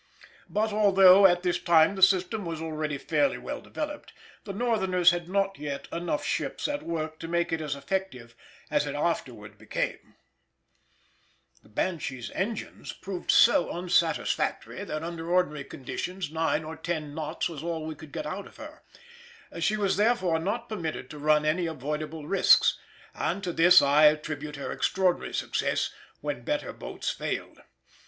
But, although at this time the system was already fairly well developed, the Northerners had not yet enough ships at work to make it as effective as it afterwards became. The Banshee's engines proved so unsatisfactory that under ordinary conditions nine or ten knots was all we could get out of her; she was therefore not permitted to run any avoidable risks, and to this I attribute her extraordinary success where better boats failed.